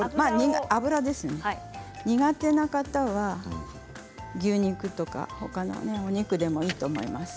苦手な方は牛肉とか他のお肉でもいいと思います。